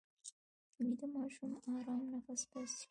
ویده ماشوم ارام نفس باسي